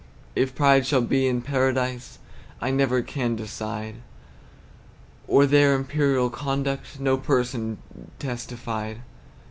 If pride shall be in Paradise I never can decide; Of their imperial conduct, No person testified.